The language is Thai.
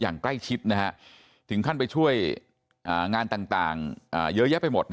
อย่างใกล้ชิดถึงขั้นไปช่วยงานต่างเยอะแยะไปหมด